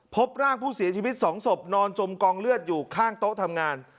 พบร่างผู้เสียชีวิต๒ศพนอนจมกองเลือดอยู่ข้างโต๊ะทำงาน